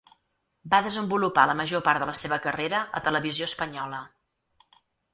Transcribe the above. Va desenvolupar la major part de la seva carrera a Televisió Espanyola.